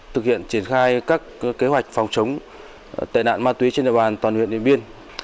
thực hiện triển khai các kế hoạch phòng chống tệ nạn ma túy trên địa bàn toàn huyện điện biên